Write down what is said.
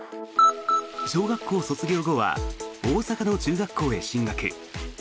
小学校卒業後は大阪の中学校へ進学。